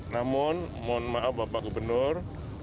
namun mohon maaf bapak gubernur